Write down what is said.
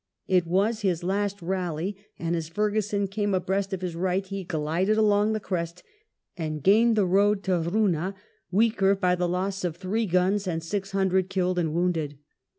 It was his last rally, and as Ferguson came abreast of his right, he glided along the crest and gained the road to Euna, weaker by the loss of three guns and six hundred killed and wounded.